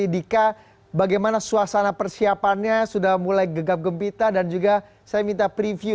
dika bagaimana suasana persiapannya sudah mulai gegap gempita dan juga saya minta preview